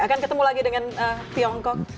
akan ketemu lagi dengan tiongkok